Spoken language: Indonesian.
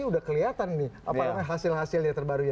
sudah kelihatan nih hasil hasilnya terbarunya